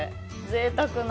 ぜいたくな。